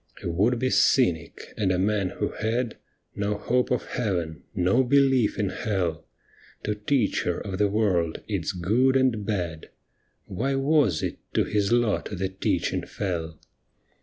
A would be cynic, and a man who had No hope of Heaven, no belief in Hell, To teach her of the world, its good and bad, Why was it to his lot the teaching fell